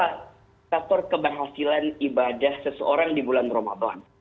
faktor keberhasilan ibadah seseorang di bulan ramadan